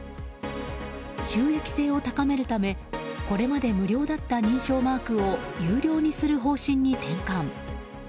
収益性を高めるためこれまで無料だった認証マークを有料にする方針に転換。